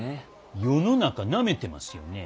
世の中なめてますよね。